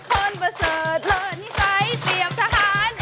คนประเสริฐเผลอนิสัยเตรียมทหาร